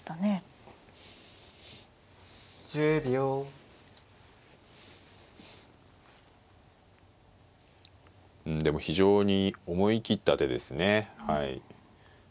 うんでも非常に思い切った手ですねはい。